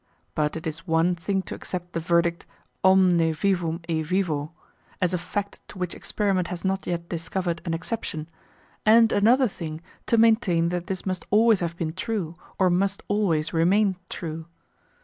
But it is one thing to accept the verdict "omne vivum e vivo" as a fact to which experiment has not yet discovered an exception and another thing to maintain that this must always have been true or must always remain true.